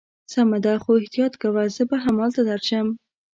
سمه ده، خو احتیاط کوه، زه به همالته درشم.